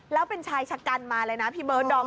แล้วเป็นชายชะกันมาเลยนะพี่เบิร์ดดอม